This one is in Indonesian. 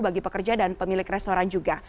bagi pekerja dan pemilik restoran juga